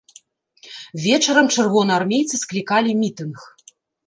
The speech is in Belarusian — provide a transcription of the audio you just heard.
Вечарам чырвонаармейцы склікалі мітынг.